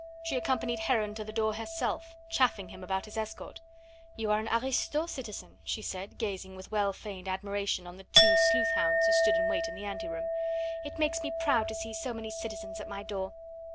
She accompanied Heron to the door herself, chaffing him about his escort. "You are an aristo, citizen," she said, gazing with well feigned admiration on the two sleuth hounds who stood in wait in the anteroom; "it makes me proud to see so many citizens at my door.